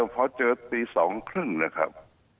พอเจอตี๒๓๐นะครับ